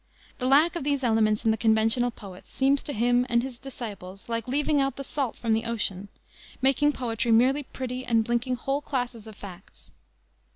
The lack of these elements in the conventional poets seems to him and his disciples like leaving out the salt from the ocean, making poetry merely pretty and blinking whole classes of facts.